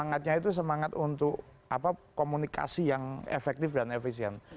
semangatnya itu semangat untuk komunikasi yang efektif dan efisien